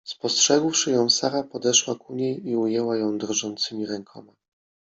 Spostrzegłszy ją Sara podeszła ku niej i ujęła ją drżącymi rękoma.